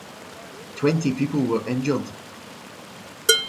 Twenty people were injured.